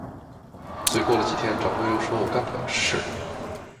所以过了几天，掌柜又说我干不了这事。